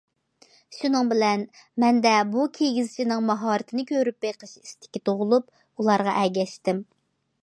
شۇنىڭ بىلەن مەندە بۇ كىگىزچىنىڭ ماھارىتىنى كۆرۈپ بېقىش ئىستىكى تۇغۇلۇپ، ئۇلارغا ئەگەشتىم.